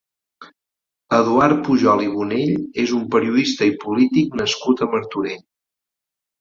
Eduard Pujol i Bonell és un periodista i polític nascut a Martorell.